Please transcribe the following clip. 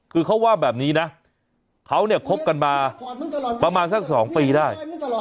คือเขาว่าแบบนี้นะเขาเนี่ยคบกันมาประมาณสัก๒ปีได้